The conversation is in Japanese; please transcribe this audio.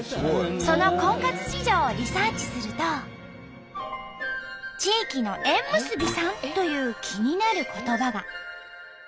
その婚活事情をリサーチすると「地域の縁結びさん」という気になる言葉が。